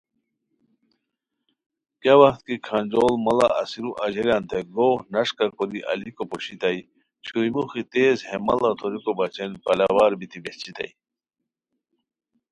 کیہ وخت کی کھانجوڑ ماڑہ اسیرو اژیلیانتے گوغ نݰکہکوری الیکو پوشتیائے چھوئی موخی تیز ہے ماڑا توریکو بچین پلا وار بیتی بہچیتائے